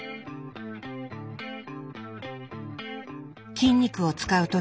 筋肉を使う時